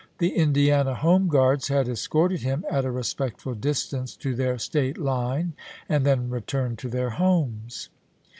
The Indiana home guards had escorted him, at a respectful distance, to their State line, and then returned to their homes.